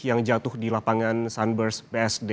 yang jatuh di lapangan sunburst bsd